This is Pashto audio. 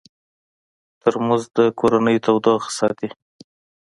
ترموز د کورنۍ تودوخه ساتي.